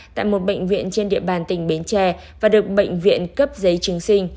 tại một bệnh viện trên địa bàn tỉnh bến tre và được bệnh viện cấp giấy chứng sinh